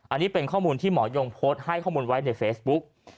อันนี้เป็นข้อมูลที่หมอยงโพสต์ให้ข้อมูลไว้ในเฟซบุ๊ก